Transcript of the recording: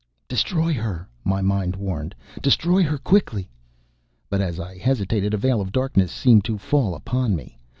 "Destroy her!" my mind warned. "Destroy her! Quickly!" But as I hesitated a veil of darkness seemed to fall upon me.